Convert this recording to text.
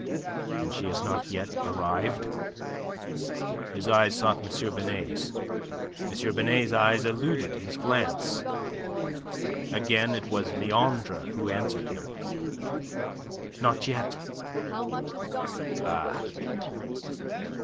And she has not yet arrived?" His eyes sought M. Binet's. M. Binet's eyes eluded his glance. Again it was Leandre who answered him. "Not yet." "Ah!"